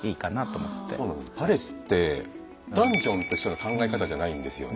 パレスってダンジョンとしての考え方じゃないんですよね。